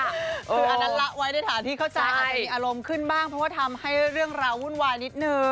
คืออันนั้นละไว้ในฐานที่เข้าใจอาจจะมีอารมณ์ขึ้นบ้างเพราะว่าทำให้เรื่องราววุ่นวายนิดนึง